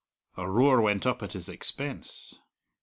A roar went up at his expense.